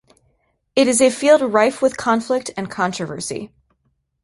It is a field rife with conflict and controversy.